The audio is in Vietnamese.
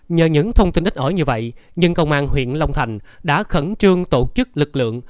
nhờ những thông tin ít ở như vậy nhưng công an huyện long thành đã khẩn trương tổ chức lực lượng